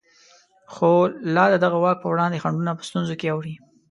خو لا د دغه واک په وړاندې خنډونه په ستونزو کې اوړي.